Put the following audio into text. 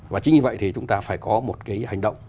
và chính vì vậy thì chúng ta phải có một cái hành động